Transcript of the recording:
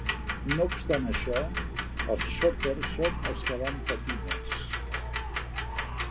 No obstant això. els Choppers són els que van patir més.